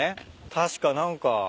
確か何か。